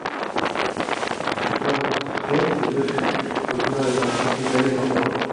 Artista autodidacta, estudió escultura en Francia, Italia y Japón.